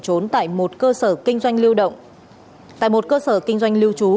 trốn tại một cơ sở kinh doanh lưu động tại một cơ sở kinh doanh lưu trú